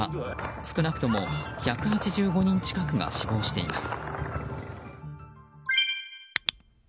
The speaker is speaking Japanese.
少なくとも１８５人近くが死亡しています。